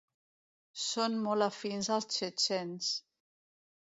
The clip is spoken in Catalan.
Són molt afins als txetxens.